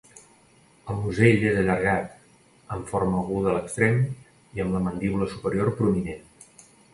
El musell és allargat, amb forma aguda a l'extrem, i amb la mandíbula superior prominent.